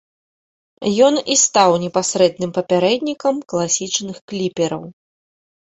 Ён і стаў непасрэдным папярэднікам класічных кліпераў.